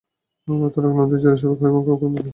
তারা ক্লান্তি ঝেড়ে স্বাভাবিক হয়ে মক্কা আক্রমণ করবে।